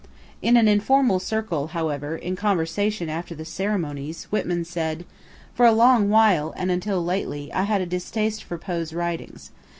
In an informal circle, however, in conversation after the ceremonies, Whitman said: 'For a long while, and until lately, I had a distaste for Poe's writings.